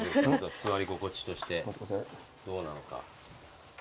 座り心地としてどうなのか。